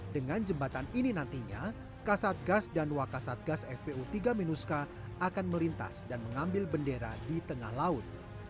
dengan jembatan ini nantinya kasat gas dan wakasatgas fpu tiga minuska akan melintas dan mengambil bendera di tengah laut